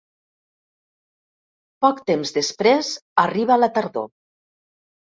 Poc temps després arriba la tardor.